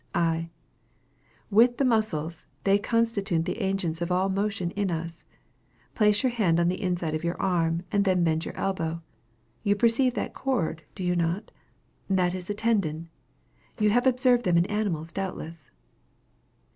I. With the muscles, they constitute the agents of all motion in us. Place your hand on the inside of your arm, and then bend your elbow. You perceive that cord, do you not? That is a tendon. You have observed them in animals, doubtless.